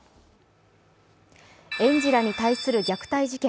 園児らに対する虐待事件。